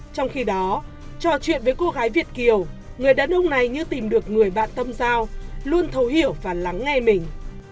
trong khi đó trò chuyện với cô gái việt kiều người đàn ông này như tìm được người bạn tâm giao luôn thấu hiểu và lắng nghe mình